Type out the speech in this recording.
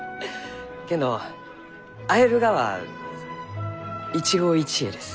けんど会えるがは一期一会です。